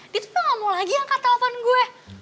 dia tuh enggak mau lagi angkat telepon gue